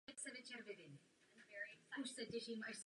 Pracoval též jako předseda okresního úřadu ve Frýdlantě.